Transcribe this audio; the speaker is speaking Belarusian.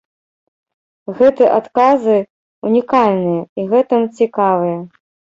Гэты адказы ўнікальныя і гэтым цікавыя.